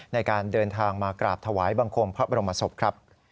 ในการเดินทางมากราบถวายบังคมพระบรมศพครับ